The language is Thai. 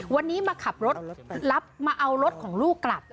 วันนี้มาขับรถรับมาเอารถของลูกกลับ